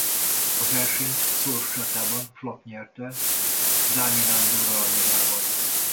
A versenyt szoros csatában Flack nyerte Dáni Nándorral a nyomában.